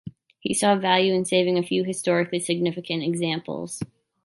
He saw value in saving a few historically significant examples.